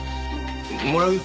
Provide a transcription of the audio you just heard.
もらうよ。